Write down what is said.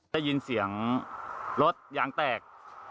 ได้ยินเสียงรถยางแตก